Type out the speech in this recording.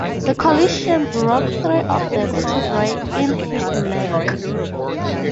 The collision broke three of the vertebrae in his neck.